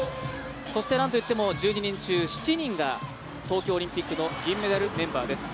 そして、なんといっても１２人中、７人が東京オリンピックの銀メダルメンバーです。